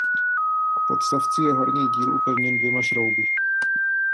K podstavci je horní díl upevněn dvěma šrouby.